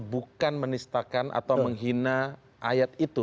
bukan menistakan atau menghina ayat itu